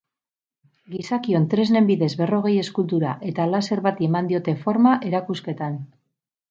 Gizakion tresnen bidez berrogei eskultura eta laser bati eman diote forma erakusketan.